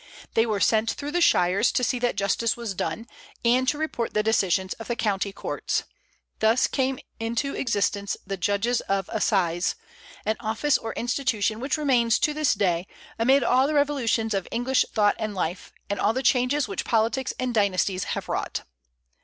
They were sent through the shires to see that justice was done, and to report the decisions of the county courts. Thus came into existence the judges of assize, an office or institution which remains to this day, amid all the revolutions of English thought and life, and all the changes which politics and dynasties have wrought.